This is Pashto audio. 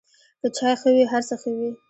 که چای ښه وي، هر څه ښه وي.